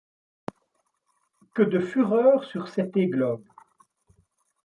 Que de fureur sur cette églogue !